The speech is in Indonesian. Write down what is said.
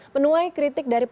menunai kritik dari para